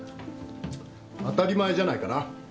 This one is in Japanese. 当たり前じゃないかな。